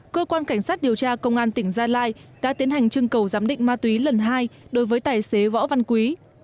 cơ quan cảnh sát điều tra công an tỉnh gia lai đã tiến hành trưng cầu giám định ma túy lần hai đối với tài xế võ văn quý